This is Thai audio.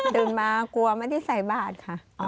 ตื่นมากลัวไม่ได้ใส่บาทค่ะ